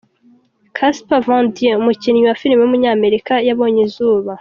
Casper Van Dien, umukinnyi wa filime w’umunyamerika yabonye izuba.